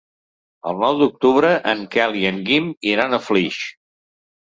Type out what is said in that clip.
El nou d'octubre en Quel i en Guim iran a Flix.